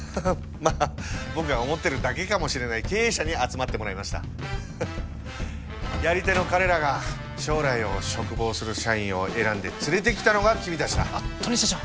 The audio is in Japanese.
まあ僕が思ってるだけかもしれない経営者に集まってもらいましたやり手の彼らが将来を嘱望する社員を選んで連れてきたのが君達だ刀根社長！